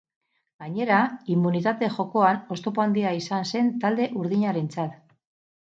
Gainera, immunitate jokoan oztopo handia izan zen talde urdinarentzat.